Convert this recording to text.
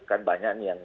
kan banyak berharga